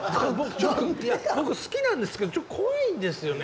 僕好きなんですけどちょっと怖いんですよね